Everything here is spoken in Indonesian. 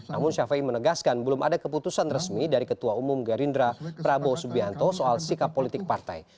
namun syafai menegaskan belum ada keputusan resmi dari ketua umum gerindra prabowo subianto soal sikap politik partai